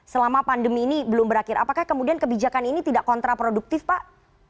selama pandemi ini belum berakhir apakah kemudian kebijakan ini tidak kontraproduktif pak